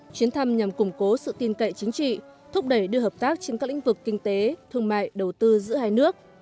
chuyến thăm nhằm củng cố sự tin cậy chính trị thúc đẩy đưa hợp tác trên các lĩnh vực kinh tế thương mại đầu tư giữa hai nước